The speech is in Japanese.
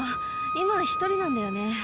今１人なんだよね。